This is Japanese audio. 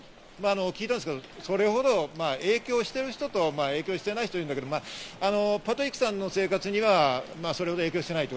聞いたんですけど、それほど影響している人と影響していない人いるんだけど、パトリックさんの生活にはそれほど影響してないと。